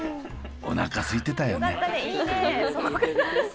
おなかすいてたよね。